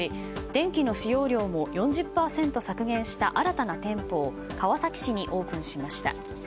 電気の使用量も４０％削減した新たな店舗を川崎市にオープンしました。